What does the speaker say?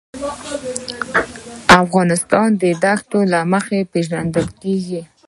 افغانستان د دښتې له مخې پېژندل کېږي.